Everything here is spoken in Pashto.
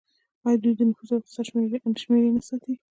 آیا دوی د نفوس او اقتصاد شمیرې نه ساتي؟